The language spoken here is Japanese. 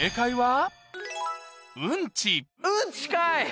うんちかい。